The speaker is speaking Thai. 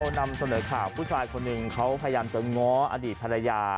นำเสนอข่าวผู้ชายคนหนึ่งเขาพยายามจะง้ออดีตภรรยา